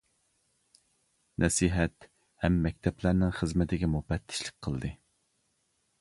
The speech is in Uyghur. نەسىھەت ھەم مەكتەپلەرنىڭ خىزمىتىگە مۇپەتتىشلىك قىلدى.